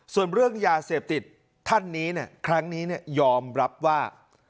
ส่วนเรื่องยาเสพติดท่านนี้ครั้งนี้ยอมรับว่า